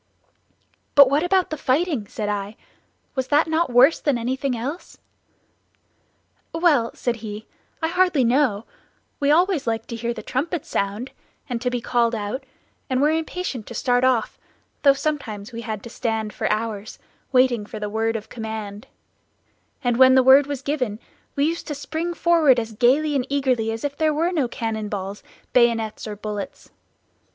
"But what about the fighting?" said I, "was not that worse than anything else?" "Well," said he, "I hardly know; we always liked to hear the trumpet sound, and to be called out, and were impatient to start off, though sometimes we had to stand for hours, waiting for the word of command; and when the word was given we used to spring forward as gayly and eagerly as if there were no cannon balls, bayonets, or bullets.